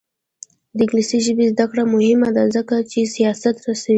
د انګلیسي ژبې زده کړه مهمه ده ځکه چې سیاست رسوي.